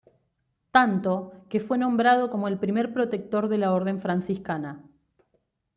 Tanto, que fue nombrado como el primer protector de la Orden Franciscana.